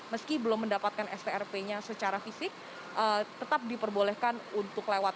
meski belum mendapatkan strp nya secara fisik tetap diperbolehkan untuk lewat